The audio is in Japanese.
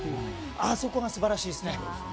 あそこが素晴らしいですね。